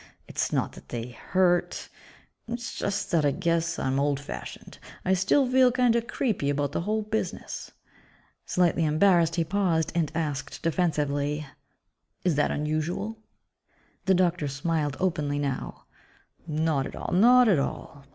It's not that they hurt ... it's just that I guess I'm old fashioned. I still feel kinda 'creepy' about the whole business." Slightly embarrassed, he paused and asked defensively, "Is that unusual?" The doctor smiled openly now, "Not at all, not at all.